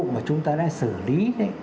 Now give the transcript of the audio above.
mà chúng ta đã xử lý